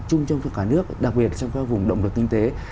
chung trong cả nước đặc biệt trong các vùng động lực kinh tế